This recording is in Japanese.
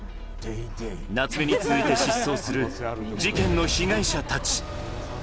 夏目に続いて失踪する事件の被害者たち。